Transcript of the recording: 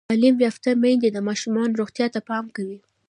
تعلیم یافته میندې د ماشوم روغتیا ته پام کوي۔